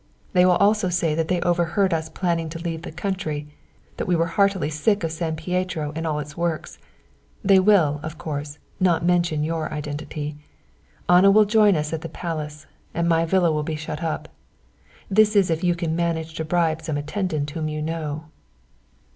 They will also say that they overheard us planning to leave the country, that we were heartily sick of San Pietro and all its works. They will, of course, not mention your identity. Anna will join us at the Palace, and my villa will be shut up. This is if you can manage to bribe some attendant whom you know."